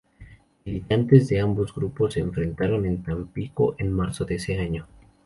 Militantes de ambos grupos se enfrentaron en Tampico en marzo de ese año.